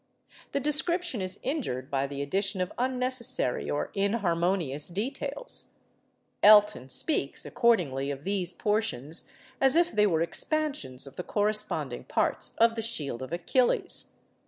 The description is injured by the addition of unnecessary or inharmonious details. Elton speaks, accordingly, of these portions as if they were expansions of the corresponding parts of the 'Shield of Achilles.